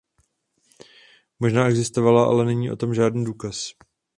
Možná existovala, ale není o tom žádný důkaz.